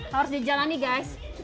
harus dijalani guys